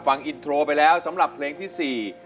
ฟังอินโทรไปแล้วสำหรับเพลงที่๔